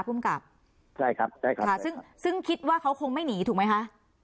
ภูมิกับใช่ครับใช่ครับค่ะซึ่งซึ่งคิดว่าเขาคงไม่หนีถูกไหมคะ